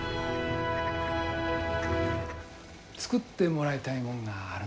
作ってもらいたいもんがあるんだけど。